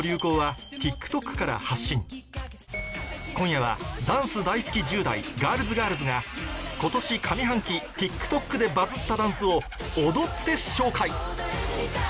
今や今夜はダンス大好き１０代Ｇｉｒｌｓが今年上半期ＴｉｋＴｏｋでバズったダンスを踊って紹介